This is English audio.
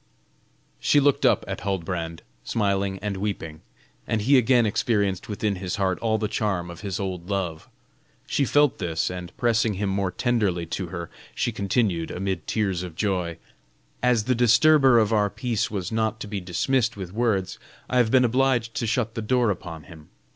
She looked up at Huldbrand, smiling and weeping; and he again experienced within his heart all the charm of his old love. She felt this, and pressing him more tenderly to her, she continued amid tears of joy: "As the disturber of our peace was not to be dismissed with words, I have been obliged to shut the door upon him.